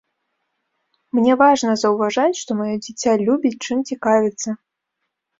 Мне важна заўважаць, што маё дзіця любіць, чым цікавіцца.